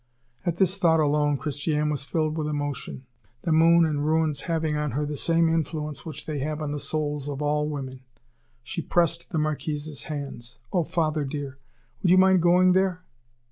At this thought alone, Christiane was filled with emotion, the moon and ruins having on her the same influence which they have on the souls of all women. She pressed the Marquis's hands. "Oh! father dear, would you mind going there?"